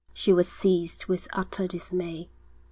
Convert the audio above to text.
She was seized with utter dismay.